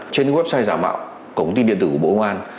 trên website giả mạo cổng tin điện tử của bộ công an